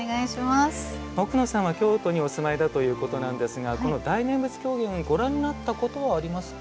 奥野さんは京都にお住まいだということなんですがこの大念仏狂言ご覧になったことはありますか。